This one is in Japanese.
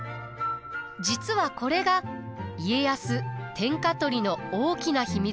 実はこれが家康天下取りの大きな秘密です。